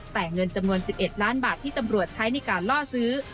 แต่เงินจำนวน๑๑ล้านบาทที่ตำรวจใช้ในการล่อซื้อ